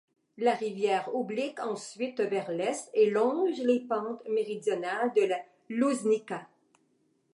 La rivière oblique ensuite vers l'est et longe les pentes méridionales de la Lužnica.